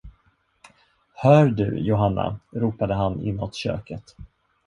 Hör du, Johanna, ropade han inåt köket.